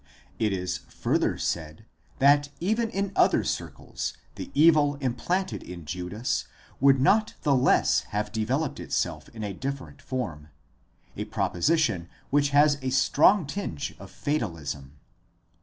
It is further said that even in other circles the evil implanted in Judas would not the less have developed itself in a different form: a proposition which has a strong tinge of fatalism.